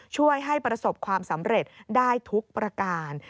ช่วยให้ประสบความสำเร็จได้ทุกประการ